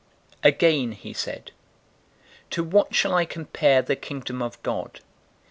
013:020 Again he said, "To what shall I compare the Kingdom of God?